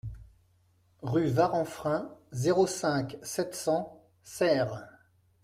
Rue Varanfrain, zéro cinq, sept cents Serres